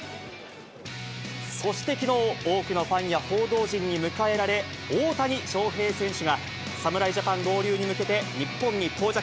そしてきのう、多くのファンや報道陣に迎えられ、大谷翔平選手が侍ジャパン合流に向けて、日本に到着。